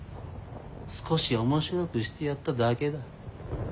少し面白くしてやっただけだ。